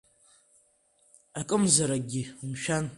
Акымзаракгьы, умшәан…